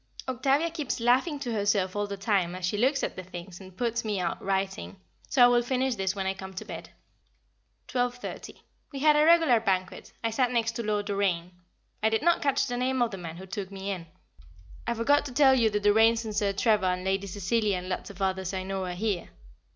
Octavia keeps laughing to herself all the time, as she looks at the things, and it puts me out writing, so I will finish this when I come to bed. [Sidenote: A Question of Taste] 12.30. We had a regular banquet, I sat next to Lord Doraine I did not catch the name of the man who took me in I forgot to tell you the Doraines and Sir Trevor and Lady Cecilia and lots of others I know are here.